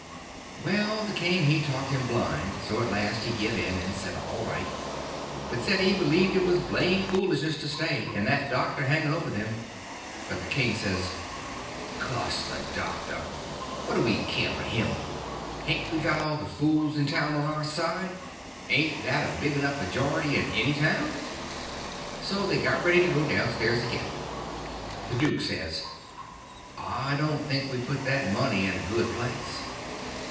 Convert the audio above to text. Well, the king he talked him blind; so at last he give in, and said all right, but said he believed it was blamed foolishness to stay, and that doctor hanging over them. But the king says: "Cuss the doctor! What do we k'yer for him? Hain't we got all the fools in town on our side? And ain't that a big enough majority in any town?" So they got ready to go down stairs again. The duke says: "I don't think we put that money in a good place."